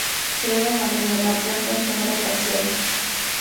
Se debe mantener la planta en sombra parcial.